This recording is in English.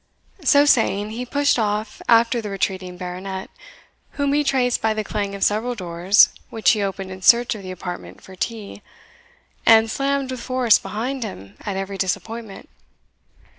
So saying, he pushed off after the retreating Baronet, whom he traced by the clang of several doors which he opened in search of the apartment for tea, and slammed with force behind him at every disappointment.